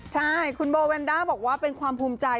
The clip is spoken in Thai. ใช่คุณโบแวนด้าบอกว่าเป็นความภูมิใจ